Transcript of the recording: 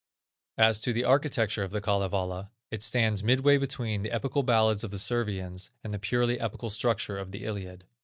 As to the architecture of the Kalevala, it stands midway between the epical ballads of the Servians and the purely epical structure of the Iliad.